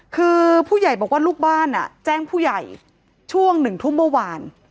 คือผู้ใหญ่บอกว่าลูกบ้านแจ้งผู้ใหญ่ช่วง๑ทุ่มเมื่อวาน